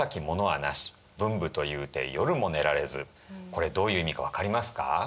これどういう意味か分かりますか？